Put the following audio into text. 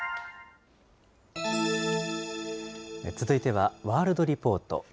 続いては、ワールドリポート。